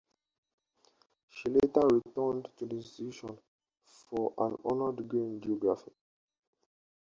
She later returned to the institution for an honors degree in geography.